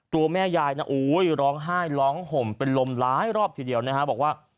ตัวแม่ยายนะร้องไห้ร้องห่มเป็นลมหลายรอบทีเดียวนะฮะบอกว่า